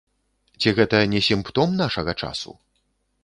Ці гэта не сімптом нашага часу?